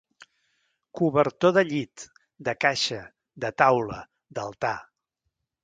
Cobertor de llit, de caixa, de taula, d'altar.